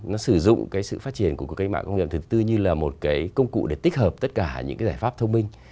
nó sử dụng cái sự phát triển của cuộc cách mạng công nghiệp thực tư như là một cái công cụ để tích hợp tất cả những cái giải pháp thông minh